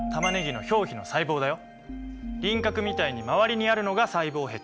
それが輪郭みたいに周りにあるのが細胞壁。